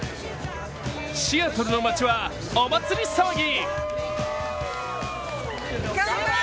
シアトルの街はお祭り騒ぎ。